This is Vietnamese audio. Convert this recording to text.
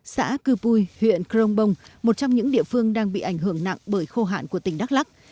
xã cư pui huyện crong bông một trong những địa phương đang bị ảnh hưởng nặng bởi khô hạn của tỉnh đắk lắc